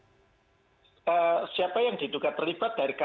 tetapi dari maki sendiri pak juga menyatakan bahwa beberapa politis ini diduga terlibat